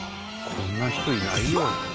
こんな人いないよ。